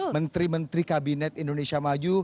menteri menteri kabinet indonesia maju